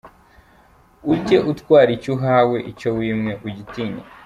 Ujye utwara icyo uhawe, icyo wimwe ugitinye.”